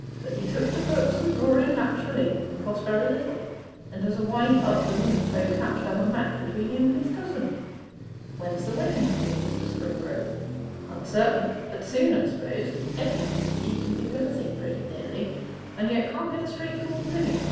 'But he took to books and drawing naturally, and cost very little; and as a wind up the womenfolk hatched up a match between him and his cousin.' 'When's the wedden to be, Mr. Springrove?' 'Uncertain but soon, I suppose. Edward, you see, can do anything pretty nearly, and yet can't get a straightforward living.